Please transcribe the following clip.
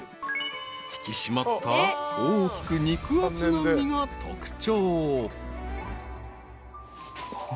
［引き締まった大きく肉厚な身が特徴］